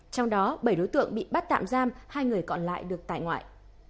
trong đó bảy đối tượng bị bắt tạm giam hai người còn lại được tại ngoại